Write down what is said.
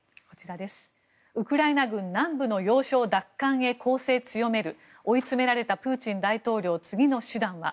ウクライナ軍、南部の要衝奪還へ攻勢強める追い詰められたプーチン大統領次の手段は？